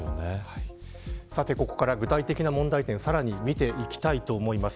さてここから、具体的な問題点さらに見ていきたいと思います。